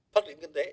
phát triển kinh tế